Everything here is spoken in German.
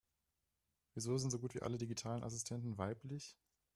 Wieso sind so gut wie alle digitalen Assistenten weiblich?